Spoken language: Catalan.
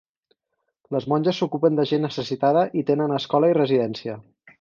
Les monges s'ocupen de gent necessitada i tenen escola i residència.